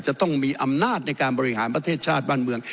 จะต้องมีอำนาจในการบริหารประเทศชาติบ้านเมือง